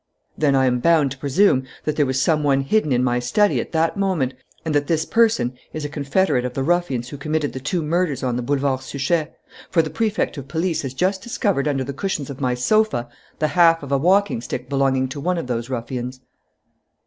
"Then I am bound to presume that there was some one hidden in my study at that moment, and that this person is a confederate of the ruffians who committed the two murders on the Boulevard Suchet; for the Prefect of Police has just discovered under the cushions of my sofa the half of a walking stick belonging to one of those ruffians."